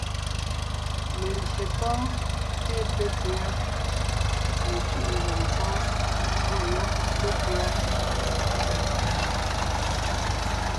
Melyè pɔ́ɔn ée pépʉ́a, mencʉ̀ʼ nzèm pɔ́ɔn gwɔ̂ yɔ́b pépʉ́a.